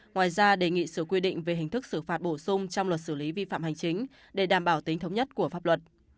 ngoài ra đề nghị sửa quy định về hình thức xử phạt bổ sung trong luật xử lý vi phạm hành chính để đảm bảo tính thống nhất của pháp luật